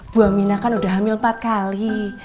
bu aminah kan udah hamil empat kali